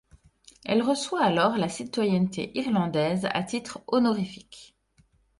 Elle reçoit alors la citoyenneté irlandaise à titre honorifique.